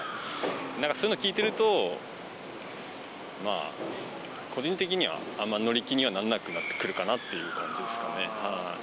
なんか、そういうの聞いてると、まあ、個人的には、あんま乗り気にはなんなくなってくるかなって感じですかね。